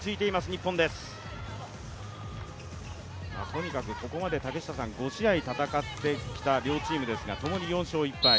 とにかくここまで５試合戦ってきた両チームですが共に４勝１敗。